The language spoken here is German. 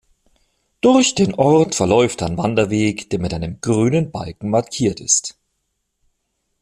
Durch den Ort verläuft ein Wanderweg, der mit einem grünen Balken markiert ist.